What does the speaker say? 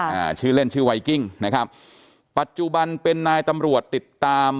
อ่าชื่อเล่นชื่อไวกิ้งนะครับปัจจุบันเป็นนายตำรวจติดตาม